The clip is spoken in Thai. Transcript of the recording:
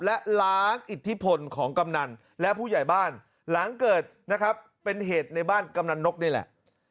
และล้างอิทธิพลของกำนันและผู้ใหญ่บ้านหลังเกิดนะครับเป็นเหตุในบ้านกำนันนกนี่แหละ